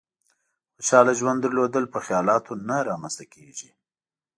خوشحاله ژوند درلودل په خيالاتو نه رامېنځ ته کېږي.